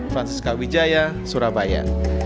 francisca wijaya surabaya